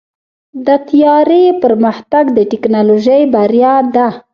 د طیارې پرمختګ د ټیکنالوژۍ بریا ده.